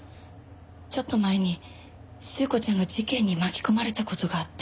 ちょっと前に朱子ちゃんが事件に巻き込まれた事があって。